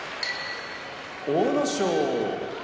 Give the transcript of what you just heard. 阿武咲